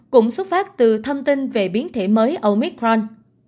cũng xuất phát từ thông tin về biến thể mới omicron